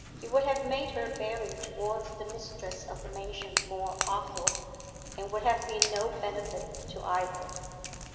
It would have made her bearing towards the mistress of the mansion more awkward, and would have been no benefit to either.